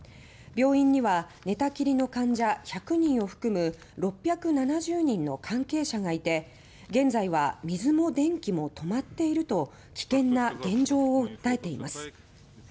病院には寝たきりの患者１００人を含む６７０人の関係者がいて現在は水も電気も止まっていると危険な現状を訴えています。